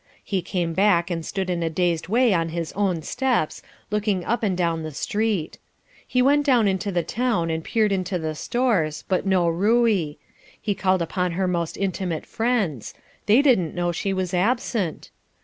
He came back and stood in a dazed way on his own steps, looking up and down the street. He went down into the town and peered into the stores, but no Ruey. He called upon her most intimate friends they didn't know she was absent.